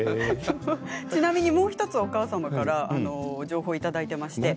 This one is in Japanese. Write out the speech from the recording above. ちなみにもう１つお母様から情報をいただいています。